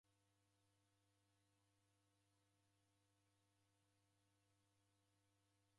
Ni vilamboki vizima vidimagha kuboiswa na mavuda?